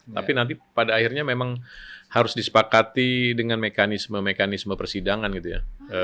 tapi nanti pada akhirnya memang harus disepakati dengan mekanisme mekanisme persidangan gitu ya